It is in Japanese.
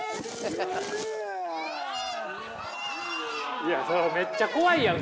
いやめっちゃ怖いやん！